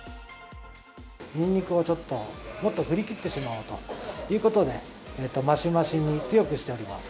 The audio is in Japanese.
ニンニクをちょっと、もっと振り切ってしまおうということで、マシマシに強くしております。